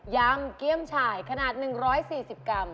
ำเกี้ยมฉ่ายขนาด๑๔๐กรัม